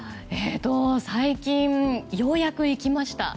最近ようやく行きました。